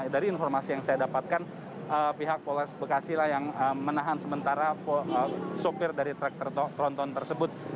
dari informasi yang saya dapatkan pihak polres bekasi lah yang menahan sementara sopir dari truk tronton tersebut